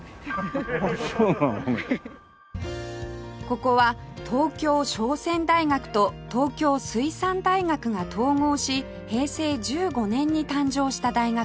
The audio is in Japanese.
ここは東京商船大学と東京水産大学が統合し平成１５年に誕生した大学です